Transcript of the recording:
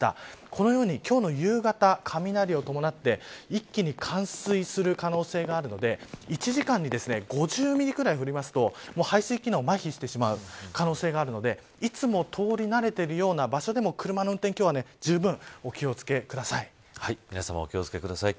このように今日の夕方、雷を伴って一気に冠水する可能性があるので１時間に５０ミリくらい降りますと排水機能がまひしてしまう可能性があるのでいつも通り慣れているような場所でも、車の運転、今日は皆さまお気を付けください。